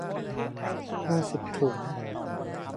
ห้าสิบถุง